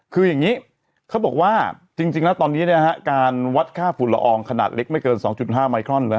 คืออย่างนี้เขาบอกว่าจริงนะตอนนี้เนี่ยครับการวัดค่าฝุ่นละอองขนาดเล็กไม่เกิน๒๕มายคลอนนะครับ